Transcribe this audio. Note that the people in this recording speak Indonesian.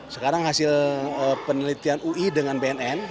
sekarang hasil penelitian ui dengan bnn